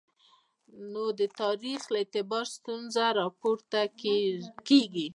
نو د تاریخ د اعتبار ستونزه راپورته کېږي.